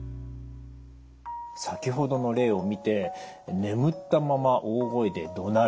先ほどの例を見て眠ったまま大声でどなる。